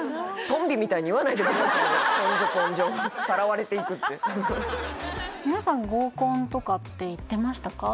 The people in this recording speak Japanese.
トン女ポン女さらわれていくって皆さん合コンとかって行ってましたか？